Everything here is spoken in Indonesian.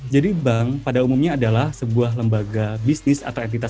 jadi bank pada umumnya adalah sebuah lembaga bisnis atau entitas